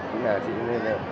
chúng ta sẽ tiếp tục